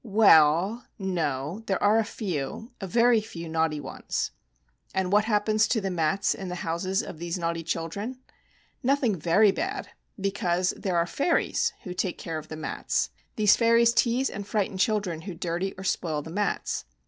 Well — no, there are a few, a very few naughty ones. And what happens to the mats in the houses of these Coogk' CHIN CHIN KOBAKAMA 11 naughty children? Nothing very bad — be cause there are fairies who take care of the mats. These fairies tease and frighten chil dren who dirty or spoil the mats.